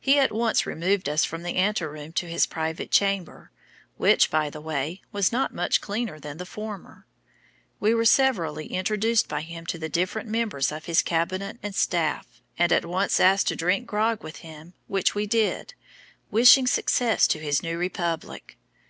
He at once removed us from the ante room to his private chamber, which, by the way, was not much cleaner than the former. We were severally introduced by him to the different members of his cabinet and staff, and at once asked to drink grog with him, which we did, wishing success to his new republic.